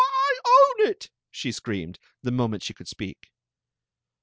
I own it!" gbe screamed, the monrtent she could sp^k.